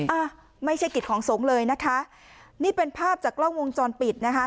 อ่ะไม่ใช่กิจของสงฆ์เลยนะคะนี่เป็นภาพจากกล้องวงจรปิดนะคะ